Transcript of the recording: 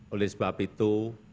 oleh sebab itu